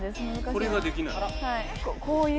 これができない？